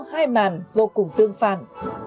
hai màn vô cùng tương phản